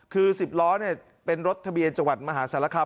คือ๑๐ล้อเป็นรถทะเบียนจังหวัดมหาศาลคาม